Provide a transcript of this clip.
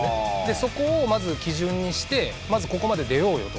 そこを基準にしてここまで出ようよと。